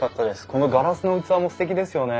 このガラスの器もすてきですよね。